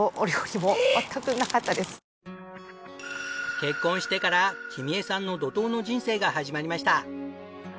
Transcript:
結婚してから君恵さんの怒濤の人生が始まりました。